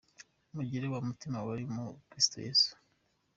Mugire wa mutima wari muri Kristo Yesu.